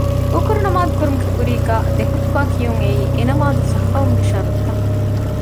ހުކުރު ނަމާދު ކުރުމުގެ ކުރީގައި ދެ ޚުޠުބާ ކިޔުން އެއީ އެ ނަމާދު ޞައްޙަވުމުގެ ޝަރުޠެއް